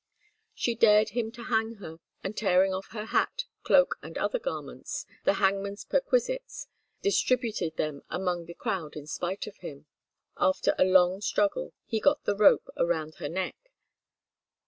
She dared him to hang her, and tearing off her hat, cloak, and other garments, the hangman's perquisites, distributed them among the crowd in spite of him. After a long struggle he got the rope around her neck.